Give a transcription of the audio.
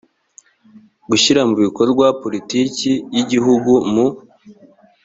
gushyira mu bikorwa politiki y igihugu mu